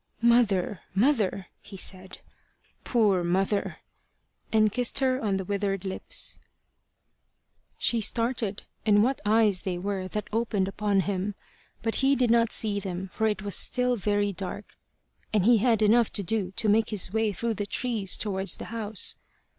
"Mother, mother!" he said. "Poor mother!" and kissed her on the withered lips. She started; and what eyes they were that opened upon him! But he did not see them, for it was still very dark, and he had enough to do to make his way through the trees towards the house.